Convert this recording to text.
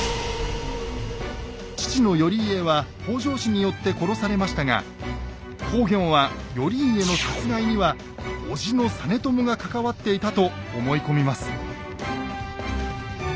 父の頼家は北条氏によって殺されましたが公暁は頼家の殺害には叔父の実朝が関わっていたと思い込みます。